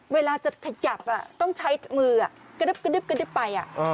เวลาจะขยับต้องใช้มือกระดึ๊บไป